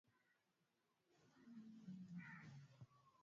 Wakuu hao wa nchi wamesema kwamba katika siku za usoni.